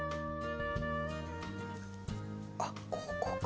あっここか！